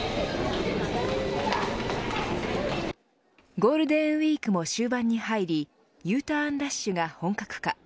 ゴールデンウイークも終盤に入りＵターンラッシュが本格化